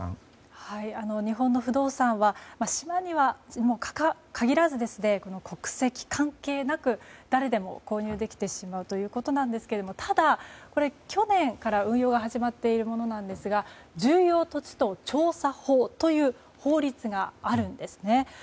日本の不動産は島に限らず、国籍関係なく誰でも購入できてしまうということなんですがただ、これは去年から運用が始まっているものなんですが重要土地等調査法という法律があるんですね。